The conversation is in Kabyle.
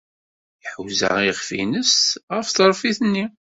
Iḥuza iɣef-nnes ɣer tṛeffit-nni.